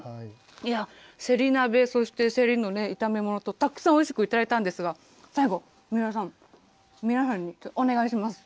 いや、せり鍋、そして、せりの炒め物と、たくさんおいしく頂いたんですが、最後、三浦さん、皆さんに、お願いします。